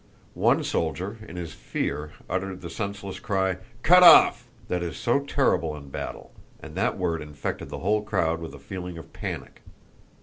One soldier, in his fear, uttered the senseless cry, "Cut off!" that is so terrible in battle, and that word infected the whole crowd with a feeling of panic.